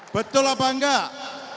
betul apa enggak